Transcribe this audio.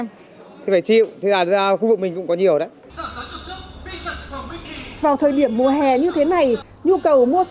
vì vậy các chuyên gia khuyến cáo